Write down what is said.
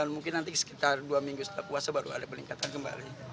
mungkin nanti sekitar dua minggu setelah puasa baru ada peningkatan kembali